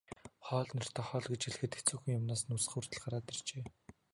Хоол нэртэй хоол гэж хэлэхэд хэцүүхэн юмнаас нь үс хүртэл гарч иржээ.